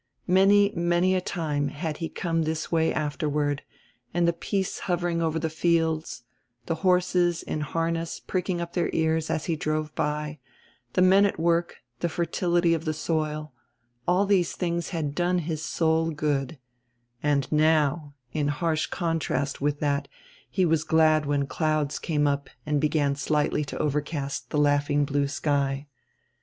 Many, many a time had he come diis way after ward, and die peace hovering over die fields, die horses in harness pricking up dieir ears as he drove by, the men at work, die fertility of the soil — all tiiese tilings had done his soul good, and now, in harsh contrast with that, he was glad when clouds came up and began slightiy to overcast the laughing blue sky.